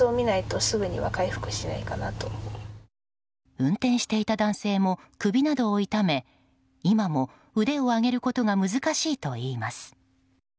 運転していた男性も首などを痛め今も腕を上げることが難しいといいます。